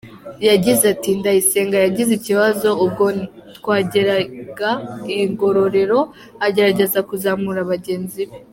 Yagize ati “Ndayisenga yagize ikibazo ubwo twageraga i Ngororero agerageza kuzamura bagenzi be.